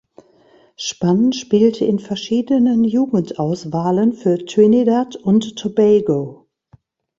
Spann spielte in verschiedenen Jugendauswahlen für Trinidad und Tobago.